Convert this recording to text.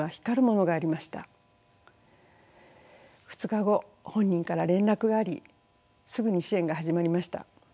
２日後本人から連絡がありすぐに支援が始まりました。